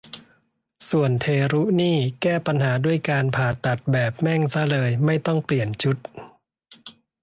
ส่วนเทรุนี่แก้ปัญหาด้วยการผ่าตัดแบบ แม่งซะเลย ไม่ต้องเปลี่ยนชุด